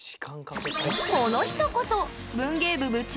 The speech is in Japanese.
この人こそ文芸部部長！